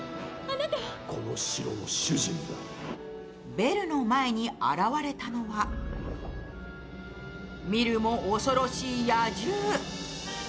ベルの前に現れたのは、見るも恐ろしい野獣。